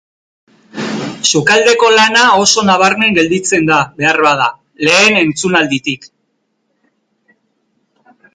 Sukaldeko lana oso nabarmen gelditzen da, beharbada, lehen entzunalditik.